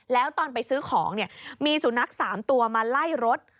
แล้วตอนไปซื้อของเนี่ยมีสุนัข๓ตัวมาไล่รถ